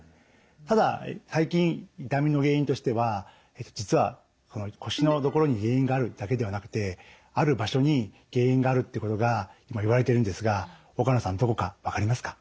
ただ最近痛みの原因としては実は腰の所に原因があるだけではなくてある場所に原因があるってことが今言われてるんですが岡野さんどこか分かりますか？